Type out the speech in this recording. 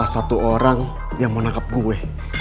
ada satu orang yang mau nangkap gue